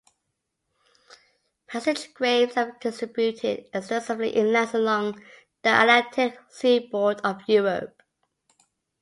Passage graves are distributed extensively in lands along the Atlantic seaboard of Europe.